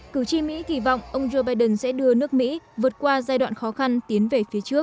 cử tri mỹ kỳ vọng ông joe biden sẽ đưa nước mỹ vượt qua giai đoạn khó khăn tiến về phía trước